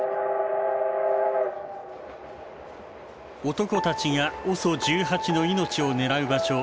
男たちがＯＳＯ１８の命を狙う場所